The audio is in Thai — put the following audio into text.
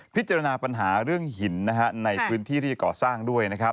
พิจารณาปัญหาเรื่องหินในพื้นที่ที่จะก่อสร้างด้วยนะครับ